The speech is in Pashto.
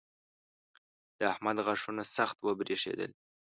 د احمد غاښونه سخت وبرېښېدل.